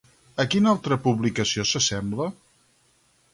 A quina altra publicació s'assembla?